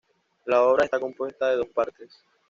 La obra está compuesta de dos partes.